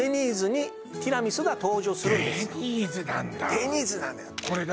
デニーズなんだ？